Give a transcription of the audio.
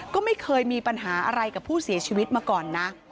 ก็ไม่เคยมีปัญหาอะไรกับผู้เสียชีวิตมาก่อนนะ